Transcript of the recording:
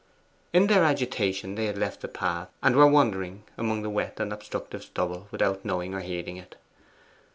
In their agitation they had left the path, and were wandering among the wet and obstructive stubble, without knowing or heeding it.